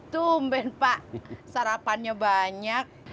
tumben pak sarapannya banyak